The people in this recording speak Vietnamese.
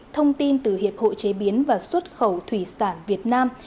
thông tin từ hiệp hội chế biến và xuất khẩu thủy sản việt nam